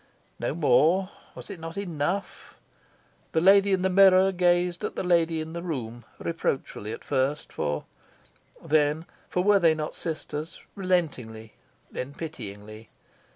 No more? Was it not enough? The lady in the mirror gazed at the lady in the room, reproachfully at first, then for were they not sisters? relentingly, then pityingly.